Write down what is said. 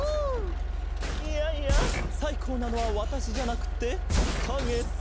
いやいやさいこうなのはわたしじゃなくってかげさ！